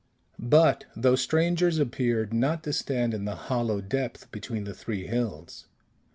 But those strangers appeared not to stand in the hollow depth between the three hills.